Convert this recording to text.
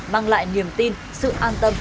mang lại niềm tin sự an tâm